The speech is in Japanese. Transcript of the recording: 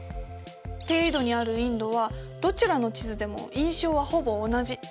低緯度にあるインドはどちらの地図でも印象はほぼ同じ。